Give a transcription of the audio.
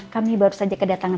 kami baru saja kedatangan